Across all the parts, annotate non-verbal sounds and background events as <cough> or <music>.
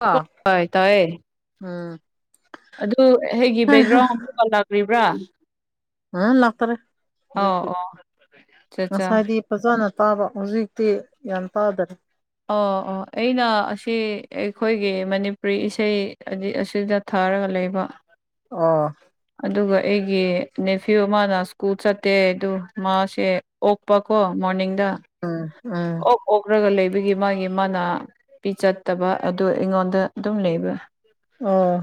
ꯑꯥ ꯍꯣꯏ ꯇꯑꯦ ꯎꯝ ꯑꯗꯨ ꯍꯒꯤ ꯕꯦꯛꯒ꯭ꯔꯥꯎꯟ ꯑꯃ ꯀꯜ ꯂꯥꯛ꯭ꯔꯤꯕ꯭ꯔꯥ ꯑ ꯂꯥꯛꯇꯔꯦ ꯍꯧꯖꯤ ꯑꯣ ꯑꯠꯆꯥ ꯑꯠꯆꯥ ꯉꯁꯥꯏꯗꯤ ꯐꯖꯅ ꯇꯥꯕ ꯍꯧꯖꯤꯛꯇꯤ ꯌꯥꯝ ꯇꯥꯗꯅꯦ ꯑꯣ ꯑꯣ ꯑꯩꯅ ꯑꯁꯤ ꯑꯩꯈꯣꯏꯒꯤ ꯃꯅꯤꯄꯨꯔꯤ ꯏꯁꯩꯗꯤ ꯑꯁꯤꯗ ꯊꯥꯔꯒ ꯂꯩꯕ ꯑꯣ ꯑꯗꯨꯒ ꯑꯩꯒꯤ ꯅꯦꯐꯤꯌꯨ ꯑꯃꯅ ꯁ꯭ꯀꯨꯜ ꯆꯠꯇꯦ ꯑꯗꯨ ꯃꯥꯁꯦ ꯑꯣꯛꯄ ꯀꯣ ꯃꯣꯔꯅꯤꯡꯗ ꯎꯝ ꯎꯝ ꯑꯣꯛ ꯑꯣꯛꯔꯒ ꯂꯩꯕꯒꯤ ꯃꯥꯒꯤ ꯃꯥꯅꯥ ꯄꯤ ꯆꯠꯇꯕ ꯑꯗꯨ ꯑꯩꯉꯣꯟꯗ ꯑꯗꯨꯝ ꯂꯩꯕ ꯑꯣ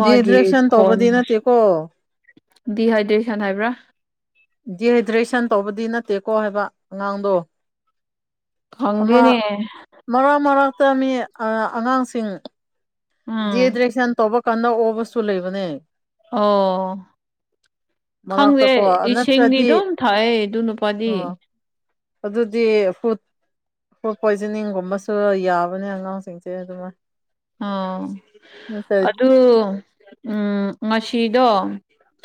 ꯃꯥꯒꯤ ꯔꯤꯑꯦꯗ꯭ꯔꯦꯛꯁꯟ ꯇꯧꯕꯗꯤ ꯐꯣꯟ ꯅꯠꯇꯦꯀꯣ ꯗꯤꯍꯥꯏꯗ꯭ꯔꯦꯁꯟ ꯍꯥꯏꯕ꯭ꯔꯥ ꯗꯤꯍꯥꯏꯗ꯭ꯔꯦꯁꯟ ꯇꯧꯕꯗꯤ ꯅꯠꯇꯦꯀꯣ ꯍꯥꯏꯕ ꯑꯉꯥꯡꯗꯣ ꯑꯃ ꯍꯪꯗꯦꯅꯦ ꯃꯔꯛ ꯃꯔꯛꯇ ꯃꯤ ꯑ ꯑꯉꯥꯡꯁꯤꯡ ꯎꯝ ꯗꯤꯍꯗ꯭ꯔꯦꯁꯟ ꯇꯧꯕ ꯀꯥꯟꯗ ꯑꯣꯕꯁꯨ ꯂꯩꯕꯅꯦ ꯑꯣ ꯈꯪꯗꯦ ꯃꯔꯛꯇꯀꯣ ꯏꯁꯤꯡꯗꯤ ꯅꯠꯇ꯭ꯔꯗꯤ ꯑꯗꯨꯝ ꯊꯥꯑꯦ ꯗꯨꯅꯨꯄꯥꯗꯤ ꯑꯣ ꯑꯗꯨꯗꯤ ꯐꯨꯗ ꯐꯨꯗ ꯄꯣꯏꯖꯅꯤꯡꯒꯨꯝꯕꯁꯨ ꯌꯥꯕꯅꯦ ꯑꯉꯥꯡꯁꯤꯡꯁꯦ ꯑꯗꯨꯃꯥꯏꯟ ꯑꯣ ꯑꯗꯨ ꯎꯝ ꯉꯁꯤꯗꯣ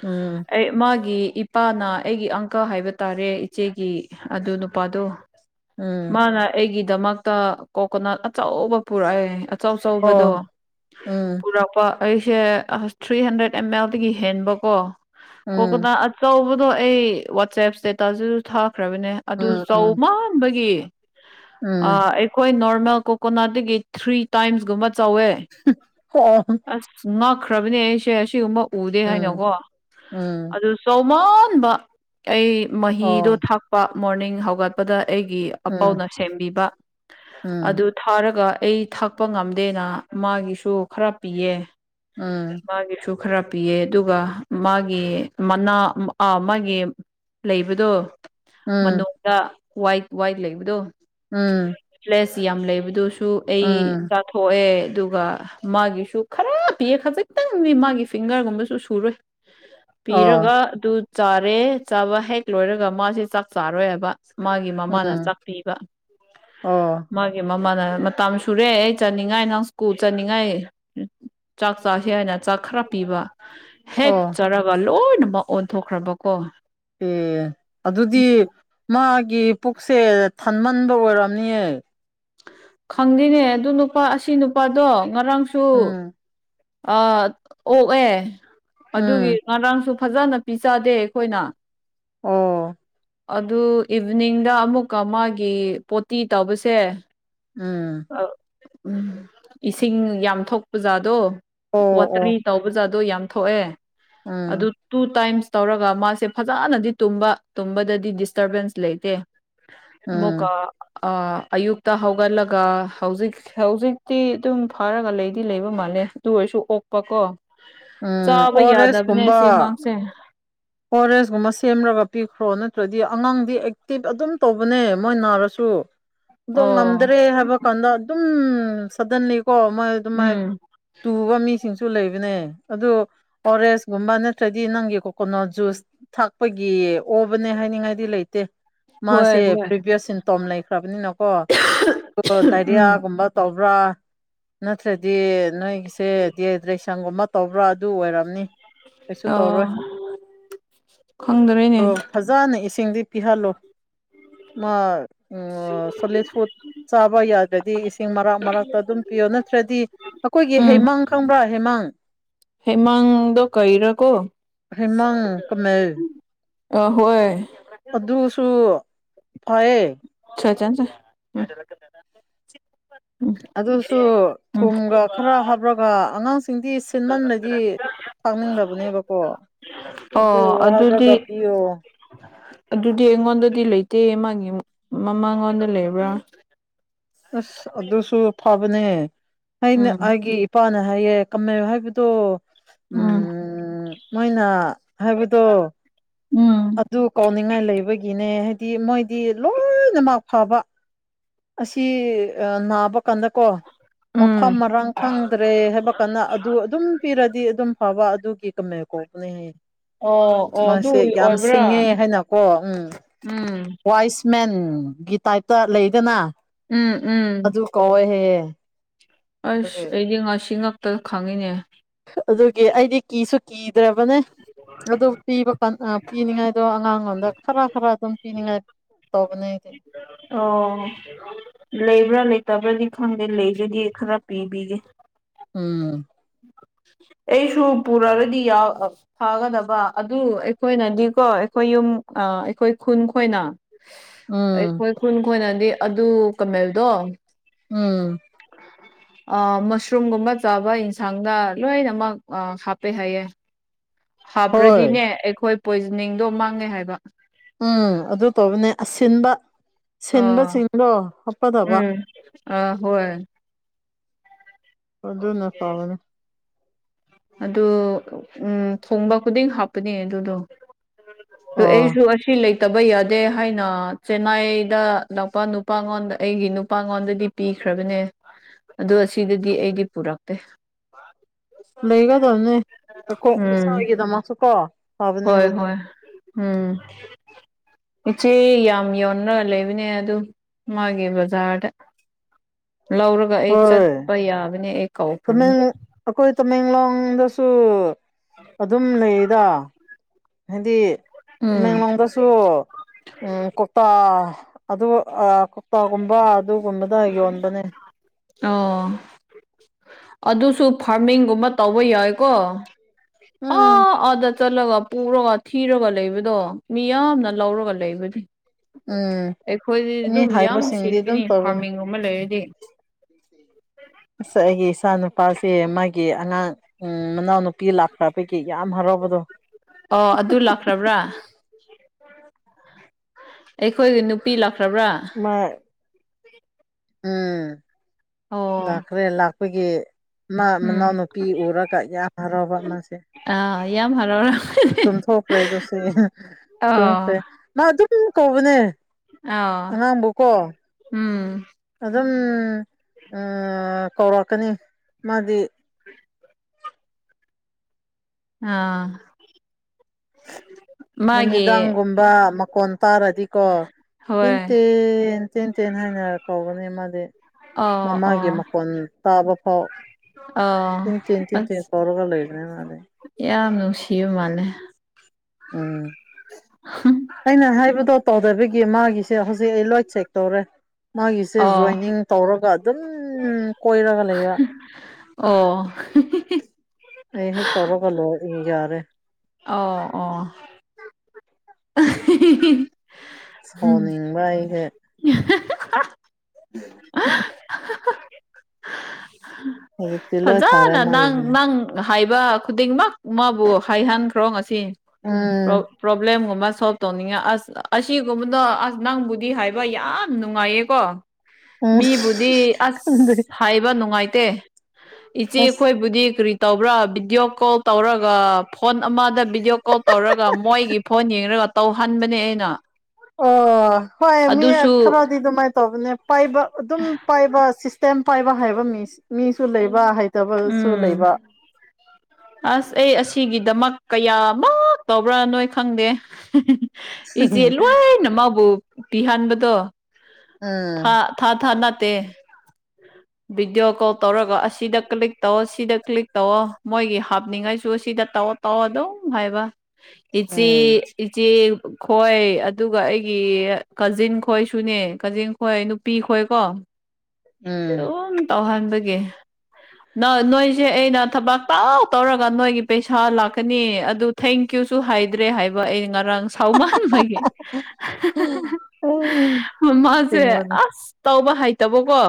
ꯎꯝ ꯑꯩ ꯃꯥꯒꯤ ꯏꯄꯥꯅ ꯑꯩꯒꯤ ꯑꯪꯀ ꯍꯥꯏꯕ ꯇꯥꯔꯦ ꯏꯆꯦꯒꯤ ꯑꯗꯨ ꯅꯨꯄꯥꯗꯣ ꯎꯝ ꯃꯥꯅ ꯑꯩꯒꯤꯗꯃꯛꯇ ꯀꯣꯀꯣꯅꯠ ꯑꯆꯧꯕ ꯄꯨꯔꯛꯑꯦ ꯑꯆꯧ ꯑꯆꯧꯕꯗꯣ ꯑꯣ ꯎꯝ ꯄꯨꯔꯛ ꯑꯩꯁꯦ ꯑ ꯊ꯭ꯔꯤ ꯍꯟꯗ꯭ꯔꯦꯗ ꯑꯦꯝ ꯑꯦꯜꯗꯒꯤ ꯍꯦꯟꯕ ꯀꯣ ꯎꯝ ꯀꯣꯛꯀꯣꯗ ꯆꯧꯕꯗꯣ ꯑꯩ ꯋꯥꯆꯦꯞ ꯁ꯭ꯇꯦꯇꯁꯗꯁꯨ ꯊꯥꯈ꯭ꯔꯕꯅꯦ ꯑꯗꯨ ꯎꯝ ꯆꯧ ꯎꯝ ꯃꯥꯟꯕꯒꯤ ꯎꯝ ꯑꯥ ꯑꯩꯈꯣꯏ ꯅꯣꯔꯃꯦꯜ ꯀꯣꯀꯣꯅꯠꯇꯒꯤ ꯊ꯭ꯔꯤ ꯇꯥꯏꯝꯁꯀꯨꯝꯕ ꯆꯧꯋꯦ ꯑꯣ <unintelligible> ꯑꯁ ꯉꯥꯛꯈ꯭ꯔꯕꯅꯦ ꯑꯩꯁꯦ ꯑꯁꯤꯒꯨꯝꯕ ꯎꯗꯦ ꯎꯝ ꯍꯥꯏꯅꯀꯣ ꯎꯝ ꯑꯗꯨ ꯆꯧꯃꯥꯟꯕ ꯑꯩ ꯃꯍꯤꯗꯣ ꯑꯣ ꯊꯥꯛꯄ ꯃꯣꯔꯅꯤꯡ ꯍꯧꯒꯠꯄꯗ ꯑꯩꯒꯤ ꯎꯝ ꯑꯄꯥꯎꯅ ꯁꯦꯝꯕꯤꯕ ꯎꯝ ꯑꯗꯨ ꯊꯥꯔꯒ ꯑꯩ ꯊꯥꯛꯄ ꯉꯝ ꯗꯦꯅ ꯃꯥꯒꯤꯁꯨ ꯈꯔ ꯄꯤꯌꯦ ꯃꯥꯒꯤꯁꯨ ꯈꯔ ꯄꯤꯌꯦ ꯑꯗꯨꯒ ꯃꯥꯒꯤ ꯃꯅꯥ ꯑ ꯃꯥꯒꯤ ꯂꯩꯕꯗꯣ ꯎꯝ ꯃꯅꯨꯡꯗ ꯋꯥꯏꯠ ꯋꯥꯏꯠ ꯂꯩꯕꯗꯣ ꯑꯝ ꯂꯦꯁ ꯌꯥꯝ ꯂꯩꯕꯗꯨꯁꯨ ꯑꯩ ꯎꯝ ꯆꯥꯊꯣꯛꯑꯦ ꯑꯗꯨꯒ ꯃꯥꯒꯤꯁꯨ ꯈꯔ ꯄꯤꯑ ꯈꯖꯤꯛꯇꯪꯗꯤ ꯃꯥꯒꯤ ꯐꯤꯡꯒꯔꯒꯨꯝꯕꯁꯨ ꯁꯨꯔꯣꯏ ꯑꯣ ꯄꯤꯔꯒ ꯑꯗꯨ ꯆꯥꯔꯦ ꯆꯥꯕ ꯍꯦꯛ ꯂꯣꯏꯔꯒ ꯃꯥꯁꯦ ꯆꯥꯛ ꯆꯥꯔꯣꯏꯑꯕ ꯃꯥꯒꯤ ꯃꯃꯥꯅ ꯎꯝ ꯆꯥꯛꯄꯤꯕ ꯑꯣ ꯃꯥꯒꯤ ꯃꯃꯥꯅ ꯃꯇꯝ ꯁꯨꯔꯦ ꯑꯩ ꯆꯟꯅꯤꯡꯉꯥꯏ ꯅꯪ ꯁ꯭ꯀꯨꯜ ꯆꯠꯅꯤꯡꯉꯥꯏ ꯆꯥꯛ ꯆꯥꯥꯁꯦ ꯍꯥꯏꯅ ꯆꯥꯛ ꯈꯔ ꯄꯤꯕ ꯍꯦꯛ ꯑꯣ ꯆꯔꯒ ꯂꯣꯏꯅꯃꯛ ꯑꯣꯟꯊꯣꯛꯈ꯭ꯔꯕꯀꯣ ꯑꯦ ꯑꯗꯨꯗꯤ ꯃꯥꯒꯤ ꯄꯨꯛꯁꯦ ꯊꯟꯃꯟꯕ ꯑꯣꯏꯔꯝꯅꯤꯌꯦ ꯈꯪꯗꯦꯅꯦ ꯑꯗꯨ ꯅꯨꯄꯥ ꯑꯁꯤ ꯅꯨꯄꯥꯗꯣ ꯉꯔꯥꯡꯁꯨ ꯎꯝ ꯑ ꯑꯣꯛꯑꯦ ꯑꯗꯨꯒꯤ ꯎꯝ ꯉꯔꯥꯡꯁꯨ ꯐꯖꯅ ꯄꯤꯖꯗꯦ ꯑꯩꯈꯣꯏꯅ ꯑꯣ ꯑꯗꯨ ꯏꯚꯅꯤꯡꯗ ꯑꯃꯨꯛꯀ ꯃꯥꯒꯤ ꯄꯣꯇꯤ ꯇꯧꯕꯁꯦ ꯎꯝ ꯎꯝ ꯏꯁꯤꯡ ꯌꯥꯝ ꯊꯣꯛꯄ ꯖꯥꯗꯣ ꯑꯣ ꯋꯥꯇꯔꯤ ꯑꯣ ꯇꯧꯕ ꯖꯥꯗꯣ ꯌꯥꯝ ꯊꯣꯛꯑꯦ ꯑꯗꯨ ꯎꯝ ꯇꯨ ꯇꯥꯏꯝꯁ ꯇꯧꯔꯒ ꯃꯥꯁꯦ ꯐꯖꯅꯗꯤ ꯇꯨꯝꯕ ꯇꯨꯝꯕꯗꯗꯤ ꯗꯤꯁꯇꯔꯕꯦꯟꯁ ꯂꯩꯇꯦ ꯑꯃꯨꯀ ꯎꯝ ꯑ ꯑꯌꯨꯛꯇꯛꯇ ꯍꯒꯜꯂꯒ ꯍꯧꯖꯤꯛ ꯍꯧꯖꯤꯛꯇꯤ ꯑꯗꯨꯝ ꯐꯥꯔꯒ ꯂꯩꯗꯤ ꯂꯩꯕ ꯃꯥꯜꯂꯦ ꯑꯗꯨ ꯑꯣꯏꯔꯁꯨ ꯑꯣꯛꯄꯀꯣ ꯎꯝ ꯆꯥꯕ ꯌꯥꯗꯕꯅꯦ ꯁꯤ ꯑꯉꯥꯡꯁꯦ ꯑꯣꯑꯥꯔꯦꯁꯀꯨꯝꯕ ꯁꯦꯝꯔꯒ ꯄꯤꯈ꯭ꯔꯣ ꯅꯠꯇ꯭ꯔꯗꯤ ꯑꯉꯥꯡꯗꯤ ꯑꯦꯛꯇꯤꯚ ꯑꯗꯨꯝ ꯇꯧꯕꯅꯦ ꯃꯣꯏ ꯅꯥꯔꯁꯨ <unintelligible> ꯑꯗꯣ ꯉꯝꯗ꯭ꯔꯦ ꯍꯥꯏꯕ ꯀꯥꯟꯗ ꯑꯗꯨꯝ ꯁꯗꯟꯂꯤꯀꯣ ꯃꯣꯏ ꯑꯗꯨ ꯃꯥꯏ ꯎꯝ ꯇꯨꯕ ꯃꯤꯁꯤꯡꯁꯨ ꯂꯩꯕꯅꯦ ꯑꯗꯨ ꯑꯣꯔꯦꯟꯁꯀꯨꯝꯕ ꯅꯠꯇ꯭ꯔꯗꯤ ꯅꯪꯒꯤ ꯀꯩꯅꯣ ꯖꯨꯁ ꯊꯥꯛꯄꯒꯤ ꯑꯣꯕꯅꯦ ꯍꯥꯏꯅꯤꯡꯉꯥꯏꯗꯤ ꯂꯩꯇꯦ ꯍꯣꯏ ꯃꯥꯁꯦ ꯍꯣꯏ ꯄ꯭ꯔꯤꯚꯌꯁ ꯁꯤꯝꯇꯣꯝ ꯂꯩꯈ꯭ꯔꯕꯅꯤꯅꯀꯣ ꯎꯝ ꯗꯥꯏꯔꯤꯌꯥꯒꯨꯝꯕ ꯇꯧꯕ꯭ꯔꯥ ꯅꯠꯇ꯭ꯔꯗꯤ ꯅꯣꯏꯒꯤꯁꯦ ꯗꯤ ꯁꯪꯒꯨꯝꯕ ꯇꯧꯕ꯭ꯔꯥ ꯑꯗꯨ ꯑꯣꯏꯔꯝꯅꯤ ꯀꯩꯁꯨ ꯑꯣ ꯇꯧꯔꯣꯏ ꯈꯪꯗꯔꯦꯅꯦ ꯑꯗꯣ ꯐꯖꯅ ꯏꯁꯤꯡꯗꯤ ꯄꯤꯍꯜꯂꯨ ꯃꯥ ꯎꯝ ꯁꯣꯂꯤꯠ ꯐꯨꯗ <unintelligible> ꯆꯥꯕ ꯌꯥꯗ꯭ꯔꯗꯤ ꯏꯁꯤꯡ ꯃꯔꯛ ꯃꯔꯥꯛꯇ ꯑꯗꯨꯝ ꯄꯤꯌꯣ ꯅꯠꯇ꯭ꯔꯗꯤ ꯑꯩꯈꯣꯏꯒꯤ ꯍꯩꯃꯥꯡ ꯈꯪꯕ꯭ꯔꯥ ꯍꯩꯃꯥꯡ ꯍꯦꯃꯥꯡꯗꯣ ꯀꯩꯔꯀꯣ ꯍꯦꯃꯪ ꯀꯃꯦꯜ ꯑꯍꯣꯏ ꯑꯗꯨꯁꯨ ꯐꯩꯌꯦ ꯁꯖꯜꯁꯦ <unintelligible> ꯑꯗꯨꯁꯨ ꯎꯝ ꯊꯨꯝꯒ ꯈꯔ ꯍꯥꯞꯔꯒ ꯑꯉꯥꯡꯁꯤꯡꯗꯤ ꯁꯤꯦꯟꯃꯟꯅꯗꯤ ꯊꯛꯅꯤꯡꯗꯕꯅꯦꯕꯀꯣ ꯑꯗꯨ ꯑꯣ ꯑꯗꯨꯗꯤ ꯍꯥꯏꯔꯒ ꯄꯤꯌꯣ ꯑꯗꯨꯗꯤ ꯑꯩꯉꯣꯟꯗꯗꯤ ꯂꯩꯇꯦ ꯃꯥꯃꯒꯤ ꯃꯃꯥꯡꯉꯣꯟꯗ ꯂꯩꯕ꯭ꯔꯥ ꯑꯁ ꯑꯗꯨꯁꯨ ꯐꯕꯅꯦ ꯑꯩꯅ ꯎꯝ ꯑꯩꯒꯤ ꯅꯨꯄꯥꯅ ꯍꯥꯏꯌꯦ ꯀꯝꯃꯌ ꯍꯥꯏꯕꯗꯣ ꯎ ꯎꯝ ꯃꯣꯏꯅ ꯍꯥꯏꯕꯗꯣ ꯎꯝ ꯑꯗꯨ ꯀꯥꯎꯅꯤꯡꯉꯥꯏ ꯂꯩꯕꯒꯤꯅꯦ ꯗꯤ ꯃꯣꯏꯗꯤ ꯂꯣꯏꯅꯃꯛ ꯐꯕ ꯇꯤ ꯅꯥꯕ ꯀꯥꯟꯗ ꯀꯣ ꯃꯐꯝ ꯎꯝ ꯃꯔꯥꯡ ꯈꯪꯗ꯭ꯔꯦ ꯍꯥꯏꯕ ꯀꯥꯟꯗ ꯑꯗꯨ ꯑꯗꯨꯝ ꯄꯤꯔꯗꯤ ꯑꯗꯨꯝ ꯐꯕ ꯑꯗꯨꯒꯤ ꯀꯝꯃ ꯀꯧꯕꯂꯩꯍꯥꯏꯌꯦ ꯑꯣ ꯑꯣ ꯑꯗꯨ ꯃꯥꯁꯦ ꯌꯥꯝ ꯑꯣꯏꯕ꯭ꯔꯥ ꯁꯤꯡꯉꯦ ꯍꯥꯏꯅꯀꯣ ꯎꯝ ꯎꯝ ꯋꯥꯏꯁ ꯃꯦꯟ ꯒꯤ ꯇꯥꯏꯞꯇ ꯂꯩꯗꯅ ꯎꯝ ꯎꯝ ꯀꯨꯧꯋꯦ ꯍꯦꯌꯦ ꯑꯁ ꯑꯩꯗꯤ ꯉꯁꯤ ꯉꯛꯇ ꯈꯪꯉꯤꯅꯦ ꯑꯗꯨꯒꯤ ꯑꯩꯗꯤ ꯀꯤꯁꯨ ꯀꯤꯗ꯭ꯔꯕꯅꯦ ꯑꯗꯨ ꯄꯤꯕ ꯄꯤꯅꯤꯡꯉꯥꯏꯗꯣ ꯑꯉꯥꯡꯂꯣꯗ ꯈꯔ ꯈꯔ ꯑꯗꯨꯝ ꯄꯤꯅꯤꯡꯉꯥꯏ ꯇꯧꯕꯅꯦ ꯑꯩꯗꯤ ꯑꯣ ꯂꯩꯕ꯭ꯔꯥ ꯂꯩꯇꯕ꯭ꯔꯗꯤ ꯈꯪꯗꯦ ꯂꯩꯕꯗꯤ ꯈꯔ ꯄꯤꯕꯤꯒꯦ ꯎꯝ ꯑꯩꯁꯨ ꯄꯨꯔꯑꯒꯗꯤ ꯌꯥꯎ ꯐꯥꯒꯗꯕ ꯑꯗꯨ ꯑꯩꯈꯣꯏꯅꯗꯤꯀꯣ ꯑꯩꯈꯣꯏ ꯌꯨꯝ ꯑ ꯑꯩꯈꯣꯏ ꯈꯨꯟ ꯈꯣꯏꯅ ꯎꯝ ꯑꯩꯈꯣꯏ ꯈꯨꯟ ꯈꯣꯏꯅꯗꯤ ꯑꯗꯨ ꯀꯃꯦꯜꯗꯣ ꯎꯝ ꯃꯁꯔꯨꯝꯒꯨꯝꯕ ꯆꯥꯕ ꯌꯦꯟꯁꯥꯡꯗ ꯂꯣ ꯅꯃ ꯑ ꯍꯥꯄꯦ ꯍꯥꯏꯩꯌꯦ ꯍꯣꯏ ꯍꯥꯞꯄ꯭ꯔꯗꯤꯅꯦ ꯑꯩꯈꯣꯏ ꯄꯣꯏꯖꯅꯤꯡꯗꯣ ꯃꯥꯡꯉꯦ ꯍꯥꯏꯕ ꯎꯝ ꯑꯗꯨ ꯇꯧꯕꯅꯦ ꯑꯁꯤꯟꯕ ꯑꯥ ꯁꯤꯟꯕꯁꯤꯡꯗꯣ ꯍꯥꯞꯀꯗꯕ ꯎꯝ ꯑ ꯍꯣꯏ ꯑꯗꯨꯅ ꯐꯕꯅꯦ ꯑꯗꯨ ꯎꯝ ꯊꯣꯡꯕ ꯈꯨꯗꯤꯡ ꯍꯥꯞꯄꯅꯦ ꯑꯗꯨꯗꯣ ꯑꯣ ꯑꯩꯁꯨ ꯑꯁꯤ ꯂꯩ ꯂꯩꯠꯇꯕ ꯌꯥꯗꯦ ꯍꯥꯏꯅ ꯆꯦꯟꯅꯥꯏꯗ ꯅꯧꯄ ꯅꯨꯄ ꯨꯄ꯫ꯉꯣꯟꯗ ꯑꯩꯒꯤ ꯅꯨꯄꯥꯉꯣꯟꯗꯗꯤ ꯄꯤꯈ꯭ꯔꯕꯅꯦ ꯑꯗꯣ ꯑꯁꯤꯗꯗꯤ ꯑꯩꯗꯤ ꯄꯨꯔꯛꯇꯦ ꯍ <unintelligible> ꯂꯩꯒꯗꯕꯅꯦ ꯎꯝ ꯁꯒꯗ ꯃꯥꯁꯨ ꯀꯣ ꯍꯣꯏ ꯐꯕꯅꯦꯕ ꯑꯗꯣ ꯍꯣꯏ ꯎꯝ ꯏꯆꯦ ꯌꯥꯝ ꯌꯧꯅꯔ ꯂꯩꯕꯅꯦ ꯑꯗꯨ ꯃꯥꯒꯤ ꯕꯖꯥꯔꯗ ꯂꯧꯔꯒ ꯑꯩ ꯍꯣꯏ ꯆꯠꯄ ꯌꯥꯕꯅꯦ ꯑꯩ ꯀꯧꯈ꯭ꯔꯕꯅꯦ ꯇꯃꯦꯡ ꯑꯩꯈꯣꯏ ꯇꯃꯦꯡꯂꯣꯡꯗꯁꯨ ꯑꯗꯨꯝ ꯂꯩꯗ ꯍꯥꯏꯗꯤ ꯎꯝ ꯇꯃꯦꯡꯂꯣꯡꯗꯁꯨ ꯎꯝ ꯀꯧꯇꯥ ꯑꯗꯨ ꯀꯧꯇꯥꯒꯨꯝꯕ ꯑꯗꯨꯒꯨꯝꯕꯗ ꯌꯣꯟꯕꯅꯦ ꯑꯣ ꯑꯗꯨꯁꯨ ꯐꯥꯔꯃꯤꯡꯒꯨꯝꯕ ꯇꯧꯕ ꯌꯥꯏꯀꯣ ꯎꯝ ꯑꯣ ꯑꯣꯗ ꯆꯠꯂꯒ ꯄꯨꯔꯒ ꯊꯤꯔꯒ ꯂꯩꯕꯗꯣ ꯃꯤꯌꯥꯝꯅ ꯂꯧꯔꯒ ꯂꯩꯕꯗꯤ ꯎꯝ ꯑꯩꯈꯣꯏꯗꯤ ꯃꯤ ꯑꯗꯨꯝ ꯌꯥꯝ ꯍꯥꯏꯕꯁꯤꯡꯗꯤ ꯑꯗꯨꯝ ꯁꯦꯠꯄꯤꯅꯤ ꯇꯧꯕꯅꯦ ꯐꯥꯔꯃꯤꯡꯒꯨꯝ ꯑꯃ ꯂꯩꯔꯗꯤ ꯑꯁ ꯑꯩꯒꯤ ꯏꯆꯥ ꯅꯨꯄꯥꯁꯦ ꯃꯥꯒꯤ ꯑꯉꯥꯡ ꯎꯝ ꯃꯅꯥꯎ ꯅꯨꯄꯤ ꯂꯥꯛꯈ꯭ꯔ ꯄꯩꯒꯤ ꯌꯥꯝ ꯍꯔꯥꯎꯕꯗꯣ ꯑꯣ ꯑꯗꯨ ꯂꯥꯛꯈ꯭ꯔꯕ꯭ꯔꯥ ꯑꯩꯈꯣꯏꯒꯤ ꯅꯨꯄꯤ ꯂꯥꯛꯈ꯭ꯔꯕ꯭ꯔꯥ ꯑꯃ ꯎꯝ ꯑꯣ ꯂꯥꯛꯈ꯭ꯔꯦ ꯂꯥꯛꯄꯒꯤ ꯃꯥ ꯎꯝ ꯃꯅꯥꯎ ꯅꯨꯨꯄꯤ ꯎꯔꯀ ꯌꯦ ꯌꯥꯝ ꯍꯔꯥꯎꯕ ꯃꯥꯁꯦ ꯑ ꯏ ꯌꯥꯝ ꯍꯔꯔ ꯇꯨꯝꯊꯣꯛꯈ꯭ꯔꯦ ꯑꯗꯨꯁꯨ ꯑꯥ ꯇꯨꯝꯈ꯭ꯔꯦ ꯃꯥ ꯑꯗꯨꯝ ꯀꯧꯕꯅꯦ ꯑꯥ ꯑꯉꯥꯡꯕꯣꯀꯣ ꯎꯝ ꯑꯗꯨꯝ ꯀꯧꯔꯛꯀꯅꯤ ꯃꯥꯗꯤ ꯑꯥ ꯃꯥꯒꯤ ꯅꯨꯃꯤꯗꯥꯡꯒꯨꯝꯕ ꯃꯀꯣꯟ ꯇꯥꯔꯗꯤꯀꯣ ꯍꯣꯏ ꯇꯤꯟꯇꯦꯟ ꯇꯦꯟ ꯇꯦꯟ ꯍꯥꯏꯅ ꯀꯧꯒꯅꯤ ꯃꯥꯗꯤ ꯑꯣ ꯃꯃꯥꯒꯤ ꯑꯣ ꯃꯀꯣꯟ ꯇꯥꯕ ꯐꯥꯎ ꯑꯣ ꯇꯤꯟ ꯇꯤꯟ ꯇꯤꯟ ꯑꯁ ꯇꯤꯟ ꯀꯧꯔꯒ ꯂꯣꯏꯕꯅꯦ ꯃꯥꯗꯤ ꯌꯥꯝ ꯅꯨꯡꯁꯤꯕ ꯃꯥꯜꯂꯦ ꯎꯝ ꯑꯩꯅ ꯍꯥꯏꯕꯗꯣ ꯇꯧꯗꯕꯤꯒꯤ ꯃꯥꯒꯤꯁꯦ ꯍꯧꯖꯤꯛ ꯑꯩ ꯂꯣꯏ ꯆꯦꯛ ꯇꯧꯔꯦ ꯃꯥꯒꯤꯁꯦ ꯑꯣ ꯖꯣꯏꯅꯤꯡ ꯇꯧꯔꯒ ꯑꯗꯨꯝ ꯀꯣꯏꯔꯒ ꯂꯩꯕ ꯑꯣ ꯑꯩ ꯍꯦꯛ ꯇꯧꯔꯒ ꯂꯣꯏꯏ ꯌꯥꯔꯦ ꯑꯣ ꯑꯣ ꯑ ꯁꯣꯅꯤꯡꯅꯤꯡꯕ ꯍ <inaudible> ꯍꯧꯖꯤꯛꯇꯤ ꯂꯣꯏ ꯐꯔꯦ ꯐꯖꯥꯅ ꯃꯥꯒꯤꯁꯦ ꯍꯥꯏꯕ ꯈꯨꯗꯤꯡꯃꯛ ꯃꯥꯕꯨ ꯍꯥꯏꯍꯟꯈ꯭ꯔꯣ ꯉꯁꯤ ꯑ ꯄ꯭ꯔꯣꯕ꯭ꯂꯦꯝꯒꯨꯝꯕ ꯁꯣꯜꯕ ꯇꯧꯅꯤꯡꯉ ꯑꯁ ꯑꯁꯤꯒꯨꯝꯕꯗꯣ ꯑꯁ ꯅꯪꯕꯨꯗꯤ ꯍꯥꯏ ꯌꯥꯝ ꯅꯨꯡꯉꯥꯏꯌꯦꯀꯣ ꯎꯝ ꯃꯤꯕꯨꯗꯤ ꯈꯪꯗꯦ ꯑꯁ ꯍꯥꯏ ꯍꯥꯏꯕ ꯅꯨꯡꯉꯥꯏꯇꯦ ꯏꯆꯦ ꯑꯁ ꯑꯩꯈꯣꯏꯕꯨꯗꯤ ꯀꯔꯤ ꯇꯧꯕ꯭ꯔꯥ ꯚꯤꯗꯤꯑꯣ ꯀꯣꯜ ꯇꯧꯔꯒ ꯐꯣꯟ ꯑꯃꯗ ꯚꯤꯗꯤꯑꯣ ꯀꯣꯜ ꯇꯧꯔꯒ ꯃꯣꯏꯒꯤ ꯐꯣꯟ ꯌꯦꯡꯉꯒ ꯇꯧꯍꯟꯕꯅꯦ ꯑꯩꯅ ꯑꯣ ꯍꯣꯏ ꯃꯤ ꯑꯗꯨꯁꯨ ꯈꯔꯗꯗꯣ ꯃꯥꯥꯏ ꯇꯣꯝꯅꯦ ꯄꯥꯏꯕ ꯑꯗꯨꯝ ꯄꯥꯏꯕ ꯁꯤꯁꯇꯦꯝ ꯄꯥꯏꯕ ꯍꯥꯏꯕ ꯃꯤ ꯃꯤꯁꯨ ꯂꯩꯕ ꯍꯥꯏ ꯇꯕꯁꯨ ꯎꯝ ꯂꯩꯕ ꯑꯁ ꯑꯩ ꯑꯁꯤꯒꯤꯗꯃꯛ ꯀꯌꯥꯃ ꯇꯧꯕ꯭ꯔꯥ ꯅꯣꯏ ꯈꯪꯗꯦ ꯏꯆꯦ ꯂꯣꯏꯅ ꯃꯥꯕꯨ ꯄꯤꯍꯟꯕꯗꯣ ꯎꯝ ꯊ ꯊꯥ ꯊꯥ ꯅꯠꯇꯦ ꯚꯤꯗꯤꯑꯣ ꯀꯣꯜ ꯇꯧꯔꯒ ꯑꯁꯤꯗ ꯀ꯭ꯂꯤꯛ ꯇꯧ ꯁꯤꯗ ꯀ꯭ꯂꯤꯛ ꯇꯧꯑꯣ ꯃꯣꯏꯒꯤ ꯍꯥꯞꯅꯤꯡꯉꯥꯏꯁꯨ ꯁꯤꯗ ꯇꯧꯑꯣ ꯇꯧꯑꯣ ꯑꯗꯨꯝ ꯍꯥꯏꯕ ꯏꯆꯤ ꯎꯝ ꯏꯆꯦ ꯈꯣꯏ ꯑꯗꯨꯒ ꯑꯩꯒꯤ ꯀꯥꯖꯤꯟ ꯈꯣꯏꯁꯨꯅꯦ ꯀꯥꯖꯤꯟ ꯈꯣꯏ ꯅꯨꯄꯤ ꯈꯣꯏꯀꯣ <inaudible> ꯎꯝ ꯇꯧꯍꯟꯕꯒꯦ ꯅ ꯅꯣꯏꯁꯦ ꯑꯩꯅ ꯊꯕꯥꯛ ꯇꯥꯎ ꯇꯧꯔꯒ ꯅꯣꯏꯒꯤ ꯄꯩꯁꯥ ꯂꯥꯛꯀꯅꯤ ꯑꯗꯨ ꯊꯦꯡꯀ꯭ꯌꯨꯁꯨ ꯍꯥꯏꯗ꯭ꯔꯦ ꯍꯥꯏꯕ ꯑꯩ ꯉꯔꯥꯡ ꯁꯥꯎꯃꯅꯕꯥꯒꯤ <unintelligible> ꯃꯥꯃꯁꯦ ꯁꯦꯡꯕꯅꯦ ꯑꯁ ꯇꯧꯕ ꯍꯩꯇꯕꯀꯣ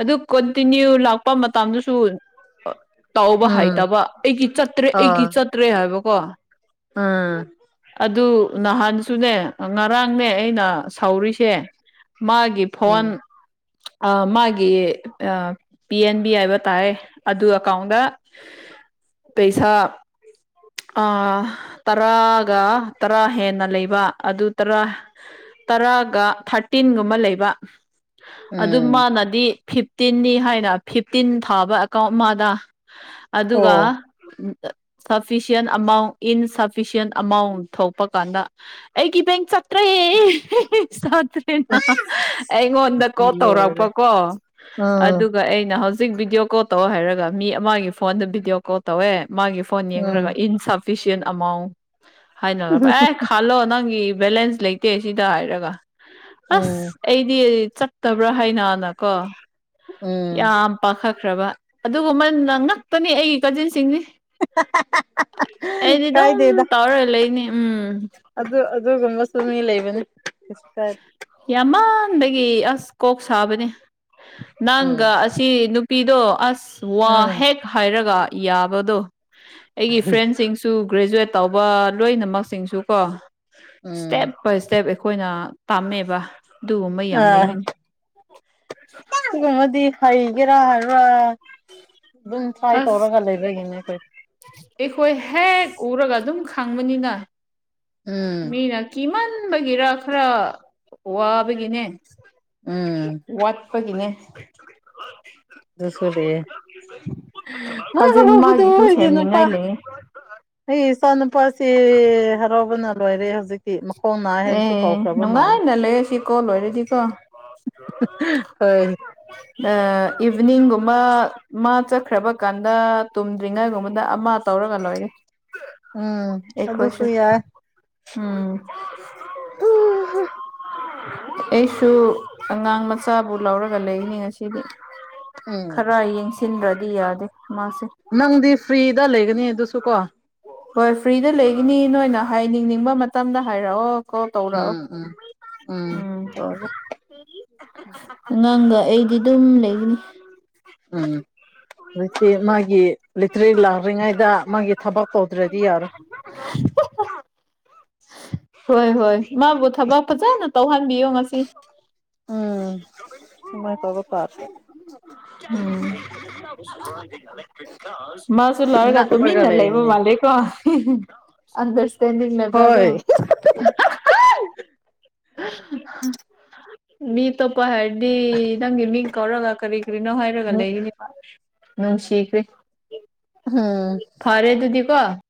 ꯑꯗꯨ ꯀꯟꯇꯤꯅ꯭ꯌꯨ ꯂꯥꯛꯄ ꯃꯇꯝꯗꯨꯁꯨ ꯇꯧꯕ ꯎꯝ ꯍꯥꯏꯇꯕ ꯑꯩꯒꯤ ꯆꯠꯇ꯭ꯔꯦ ꯑꯩꯒꯤ ꯑꯥ ꯆꯠꯇ꯭ꯔꯦ ꯍꯥꯏꯕꯀꯣ <unintelligible> ꯑꯗꯨ ꯅꯍꯥꯟꯁꯨꯅꯦ ꯉꯔꯥꯡꯅꯦ ꯑꯩꯅ ꯁꯥꯎꯔꯤꯁꯦ ꯃꯥꯒꯤꯞ ꯐꯣꯟ ꯎꯝ ꯑꯥ ꯃꯥꯒꯤ ꯄꯤ ꯑꯦꯟ ꯕꯤ ꯍꯥꯏꯕ ꯇꯥꯔꯦ ꯑꯗꯨ ꯑꯦꯀꯥꯎꯟꯗ ꯄꯩꯁꯥ ꯑ ꯇꯔꯥꯒ ꯇꯔꯥ ꯍꯦꯟꯅ ꯂꯩꯕ ꯑꯗꯨ ꯇꯔꯥ ꯇꯔꯥꯒ ꯊꯥꯔꯇꯤꯟꯒꯨꯝꯕ ꯂꯩꯕ ꯑꯗꯨ ꯎꯝ ꯃꯥꯅꯗꯤ ꯐꯤꯐꯇꯤꯟꯅꯤ ꯍꯥꯏꯅ ꯐꯤꯞꯇꯤꯟ ꯊꯥꯕ ꯃꯗ ꯑꯗꯨꯒ ꯑꯣ ꯁꯐꯤꯁꯟ ꯑꯃꯥꯎꯟ ꯏꯟꯁꯐꯤꯁꯟ ꯑꯃꯥꯎꯟ ꯊꯣꯛꯄ ꯀꯥꯟꯗ ꯑꯩꯒꯤ ꯕꯦꯡꯀ ꯆꯠꯇ꯭ꯔ ꯁꯇ꯭ꯔ ꯑꯁ <unintelligible> ꯑꯩꯉꯣꯟꯗ ꯀꯣꯜ ꯂꯣꯏꯔꯦ ꯇꯧꯔꯛꯄꯀꯣ ꯎꯝ ꯑꯗꯨꯒ ꯑꯩꯅ ꯍꯧꯖꯤꯛ ꯍꯧꯖꯤꯛ ꯚꯤꯗꯤꯑꯣ ꯀꯣꯜ ꯇꯧ ꯍꯥꯏꯔꯒ ꯃꯤ ꯑꯃꯒꯤ ꯃꯥ ꯐꯣꯟꯗ ꯚꯤꯗꯤꯑꯣ ꯀꯣꯜ ꯇꯧꯋꯦ ꯃꯥꯒꯤ ꯐꯣꯟ ꯌꯦꯡꯉꯒ ꯎꯝ ꯏꯟꯁꯞ ꯑꯦꯐꯁꯤꯟ ꯑꯃꯥꯎꯟ ꯍꯥꯏꯅꯔꯕ ꯑꯦ ꯈꯜꯂꯣ ꯅꯪꯒꯤ ꯕꯦꯂꯦꯟꯁ ꯂꯩꯇꯦ ꯁꯤꯗ ꯍꯥꯏꯔꯒ ꯎꯝ ꯑꯁ ꯑꯩꯗꯤ ꯆꯠꯇꯕ꯭ꯔꯥ ꯍꯥꯏꯅꯥꯅꯀꯣ ꯎꯝ ꯌꯥꯝ ꯄꯥꯈꯠꯈ꯭ꯔꯕ ꯑꯗꯨꯒꯨꯝꯕ ꯅ ꯉꯛꯇꯅꯤ ꯑꯩꯒꯤ ꯀꯖꯤꯟꯁꯤꯡꯅꯤ ꯑꯩꯗꯤ ꯑꯗꯨꯝ ꯀꯥꯏꯗꯦꯗ ꯇꯧꯔ ꯂꯩꯅꯤ ꯎꯝ ꯑꯗꯨ ꯑꯗꯨꯒꯨꯝꯕꯁꯨ ꯃꯤ ꯂꯩꯕꯅꯤ <unintelligible> ꯌꯥꯝꯃꯥꯟꯕꯒꯤ ꯑꯁ ꯀꯣꯛ ꯁꯥꯕꯅꯦ ꯎꯝ ꯅꯪꯒ ꯑꯁ ꯁꯤ ꯅꯨꯄꯤꯗꯣ ꯑꯁ ꯋꯥ ꯎꯝ ꯍꯦꯛ ꯍꯥꯏꯔꯒ ꯌꯥꯕꯗꯣ ꯑꯩꯒꯤ ꯐ꯭ꯔꯦꯟꯁꯤꯡꯁꯨ ꯒ꯭ꯔꯦꯖꯨꯋꯦꯠ ꯇꯧꯕ ꯂꯣꯏꯅꯃꯛꯁꯤꯡꯁꯨ ꯀꯣ ꯏꯁꯇꯦꯞ ꯎꯝ ꯕꯥꯏ ꯏꯁꯇꯦꯞ ꯑꯩꯈꯣꯏꯅ ꯇꯝꯃꯦꯕ ꯑꯗꯨꯒꯨꯝꯕ ꯌꯥꯝ ꯂꯩꯕꯅꯤ ꯀꯨꯝꯕꯗꯤ ꯍꯩꯒꯦꯔꯥ ꯍꯥꯏꯔꯥ ꯑꯗꯨꯝ ꯇ꯭ꯔꯥꯏ ꯑꯁ ꯇꯧꯔꯒ ꯂꯩꯕꯒꯤꯅꯦ ꯑꯩꯈꯣꯏ ꯑꯩꯈꯣꯏ ꯍꯦꯛ ꯎꯔꯒ ꯑꯗꯨꯝ ꯈꯪꯕꯅꯤꯅ ꯎꯝ ꯃꯤꯅ ꯀꯤꯃꯟꯕꯒꯤꯔ ꯈꯔ ꯋꯥꯕꯒꯤꯅꯦ ꯎꯝ ꯋꯥꯠꯄꯒꯤꯅꯦ ꯀꯥꯖꯤꯟ ꯃꯥꯒꯤꯁꯨ ꯁꯦꯝꯅꯤꯡꯉꯥꯏ ꯂꯩꯌꯦ <unintelligible> ꯑꯩ ꯏꯆꯥ ꯅꯨꯨꯄꯥꯁꯤ ꯍꯔꯥꯎꯕꯅ ꯂꯣꯏꯔꯦ ꯍꯧꯖꯤꯀꯤ ꯃꯈꯣꯡ ꯅꯥꯏ ꯍꯥꯏꯕꯁꯨ ꯀꯧꯈ꯭ꯔꯕ ꯃꯥꯜꯂꯦ ꯂꯩꯔꯁꯤ ꯀꯣꯜ ꯂꯣꯏꯔꯗꯤꯀꯣ <unintelligible> ꯍꯣꯏ ꯑ ꯏꯚꯤꯅꯤꯡꯒꯨꯝꯕ ꯃꯥ ꯆꯠꯈ꯭ꯔꯕ ꯀꯥꯟꯗ ꯇꯨꯝꯗ꯭ꯔꯤꯉꯥꯏꯒꯨꯝꯕꯗ ꯑꯃ ꯇꯧꯔꯒ ꯂꯣꯏꯔ ꯎꯝ ꯑꯗꯨꯁꯨꯨ ꯌꯥꯏ ꯎꯝ <unintelligible> ꯑꯩꯁꯨ ꯑꯉꯥꯡ ꯃꯆꯥꯕꯨ ꯂꯧꯔꯒ ꯂꯩꯅꯤꯁꯤ ꯁꯤꯗꯤ ꯎꯝ ꯈꯔ ꯌꯦꯡꯁꯤꯟꯗ꯭ꯔꯗꯤ ꯌꯥꯗꯦ ꯃꯥꯁꯦ ꯅꯪꯗꯤ ꯐ꯭ꯔꯤꯗ ꯂꯩꯒꯅꯤ ꯑꯗꯨꯁꯨ ꯀꯣ ꯍꯣꯏ ꯐ꯭ꯔꯤꯗ ꯂꯩꯒꯅꯤ ꯅꯣꯏꯅ ꯍꯥꯏꯅꯤꯡꯅꯤꯡꯕ ꯃꯇꯝꯗ ꯍꯥꯏꯔꯛꯑꯣ ꯀꯣ ꯎꯝ ꯎꯝ ꯇꯧꯔꯛꯑꯣ ꯎꯝ ꯑꯉꯥꯡꯒ ꯑꯩꯗꯤ ꯑꯗꯨꯝ ꯂꯩꯒꯅꯤ ꯎꯝ ꯃꯥꯒꯤ ꯂꯤꯇ꯭ꯔꯤ ꯂꯥꯛꯇ꯭ꯔꯤꯉꯩꯗ ꯃꯥꯒꯤ ꯊꯕꯛ ꯇꯧꯗ꯭ꯔꯗꯤ ꯌꯥꯔꯣꯏ <inaudible> ꯍꯣꯏ ꯍꯣꯏ ꯃꯥꯕꯨ ꯊꯕꯛ ꯐꯖꯅ ꯇꯧꯍꯟꯕꯤꯌꯣ ꯉꯁꯤ <inaudible> ꯎꯝ ꯁꯨꯃꯥꯏ ꯇꯧꯕ ꯇꯥꯔꯦ ꯃꯥꯁꯨ ꯂꯣꯏꯔꯒ ꯉꯛꯄꯒ ꯇꯨꯃꯤꯟꯅ ꯂꯩꯕ ꯂꯩꯔꯤꯅꯦ ꯃꯥꯜꯂꯦꯀꯣ ꯑꯗ ꯇꯗꯤ ꯃꯕꯗ ꯍꯣꯏ ꯃꯤ ꯑꯇꯣꯞꯄ ꯍꯥꯏꯔꯗꯤ ꯅꯪꯒꯤ ꯃꯤꯡ ꯀꯧꯔꯒ ꯀꯔꯤ ꯀꯔꯤꯅꯣ ꯍꯥꯏꯔꯒ ꯂꯩꯔꯤꯅꯤ <unintelligible> ꯎꯝ ꯐꯔꯦꯗꯨꯤꯗꯤ ꯀꯣ